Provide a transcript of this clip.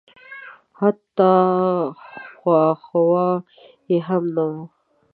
حتی خواښاوه یې هم نه.